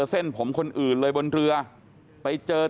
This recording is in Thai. เส้นผมคนอื่นเลยบนเรือไปเจอ